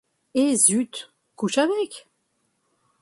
Et zut ! couche avec !